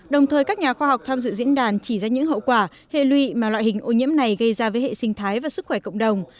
đồng thời các nhà khoa học tham dự diễn đàn chỉ ra những hậu quả hệ lụy mà loại hình ô nhiễm này gây ra với hệ sinh thái và sức khỏe cộng đồng